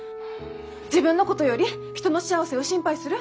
自分のことより人の幸せを心配する